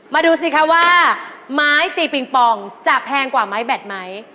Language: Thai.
ดูสิคะว่าไม้ตีปิงปองจะแพงกว่าไม้แบตไหม